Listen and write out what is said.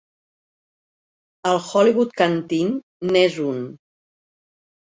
El Hollywood Canteen n'és un.